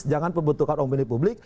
jangan perbentukan umum di publik